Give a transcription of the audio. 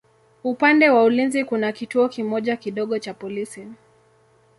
Upande wa ulinzi kuna kituo kimoja kidogo cha polisi.